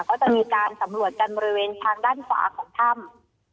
ก็จะมีการสำรวจกันบริเวณทางด้านขวาของถ้ำ